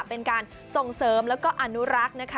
เป็นการส่งเสริมแล้วก็อนุรักษ์นะคะ